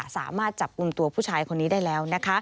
สามารถจับกลุ่มตัวผู้ชายคนนี้ได้แล้วนะคะ